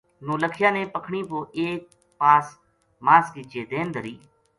نولکھیا نے پکھنی پو ایک پاس ماس کی چیدین دھری